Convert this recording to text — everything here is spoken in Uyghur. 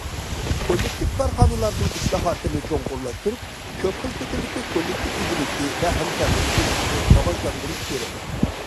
كوللېكتىپ كارخانىلارنىڭ ئىسلاھاتىنى چوڭقۇرلاشتۇرۇپ، كۆپ خىل شەكىلدىكى كوللېكتىپ ئىگىلىكى ۋە ھەمكارلىق ئىگىلىكىنى راۋاجلاندۇرۇش كېرەك.